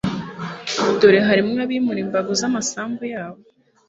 dore hariho abimura imbago z'amasambu yabo